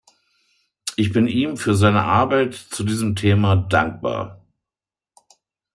Ich bin ihm für seine Arbeit zu diesem Thema dankbar.